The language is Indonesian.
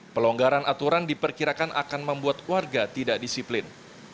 pelonggaran aturan diperkirakan akan membuat warga tidak disiplin